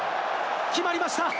決まりました。